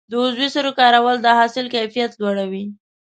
د عضوي سرې کارول د حاصل کیفیت لوړوي.